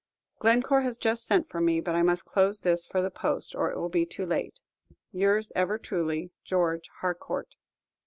Glencore has just sent for me; but I must close this for the post, or it will be too late. Yours ever truly, George Harcourt.